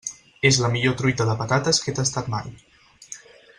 És la millor truita de patates que he tastat mai.